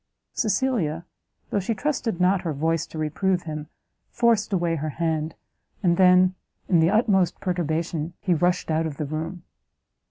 Cecilia, though she trusted not her voice to reprove him, forced away her hand, and then, in the utmost perturbation, he rushed out of the room.